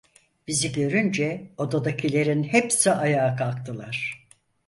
Bizi görünce odadakilerin hepsi ayağa kalktılar.